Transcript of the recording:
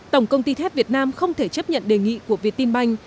tổng công ty thép việt nam không thể chấp nhận đề nghị của việt tin banh